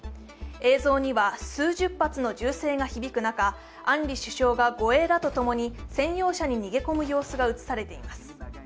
映像には数十発の銃声が響く中、アンリ首相らが護衛らと共に専用車に逃げ込む様子が映されています。